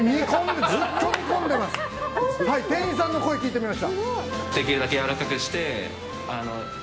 店員さんの声を聞いてみました。